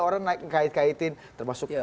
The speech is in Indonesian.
orang naik kait kaitin termasuk